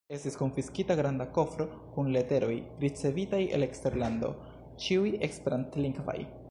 Estis konfiskita granda kofro kun leteroj ricevitaj el eksterlando, ĉiuj esperantlingvaj.